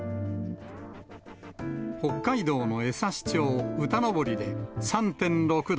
北海道の枝幸町歌登で３．６度、